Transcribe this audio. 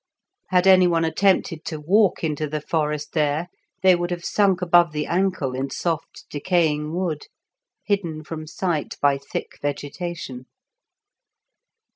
Had any one attempted to walk into the forest there they would have sunk above the ankle in soft decaying wood, hidden from sight by thick vegetation.